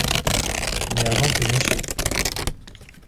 Mais avant que Mr.